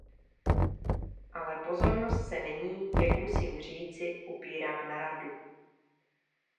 Ale pozornost se nyní, jak musím říci, upírá na Radu.